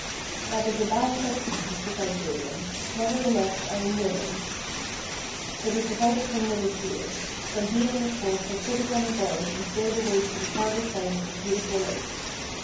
"That is a bad custom," replied Balin, "nevertheless I am willing." So they provided him with a shield; then he and his horse were put upon a barge and sailed away to the farther side of a beautiful lake.